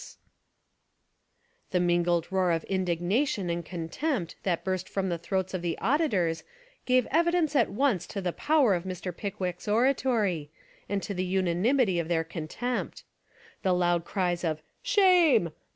205 Essays and Literary Studies The mingled roar of Indignation and con tempt that burst from the throats of the audi tors gave evidence at once to the power of Mr. Pickwick's oratory, and to the unanimity of their contempt. The loud cries of "Shame!